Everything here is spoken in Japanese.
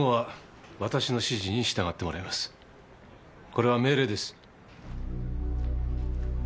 これは命令です。